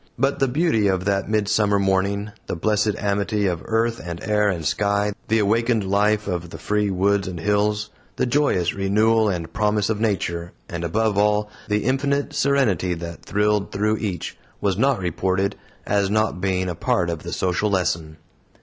But the beauty of that midsummer morning, the blessed amity of earth and air and sky, the awakened life of the free woods and hills, the joyous renewal and promise of Nature, and above all, the infinite Serenity that thrilled through each, was not reported, as not being a part of the social lesson.